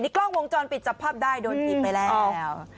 กล้องวงจรปิดจับภาพได้โดนถีบไปแล้ว